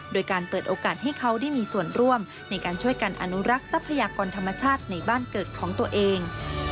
โดยการเปิดโอกาสให้เขาได้มีส่วนร่วมในการช่วยกันอนุรักษ์ทรัพยากรธรรมชาติในบ้านเกิดของตัวเอง